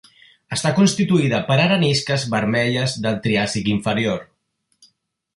Està constituïda per arenisques vermelles del triàsic inferior.